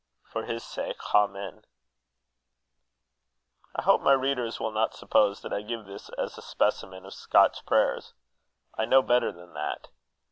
For his sake, Ahmen." I hope my readers will not suppose that I give this as a specimen of Scotch prayers. I know better than that.